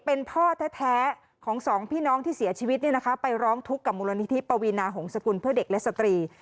เป็นพ่อแท้ของสองพี่น้องที่เสียชีวิตไปร้องทุกข์กับมูลนิธิปวีนาหงษกุลเพื่อเด็กและสตรี